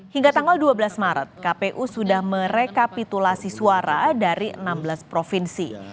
hingga tanggal dua belas maret kpu sudah merekapitulasi suara dari enam belas provinsi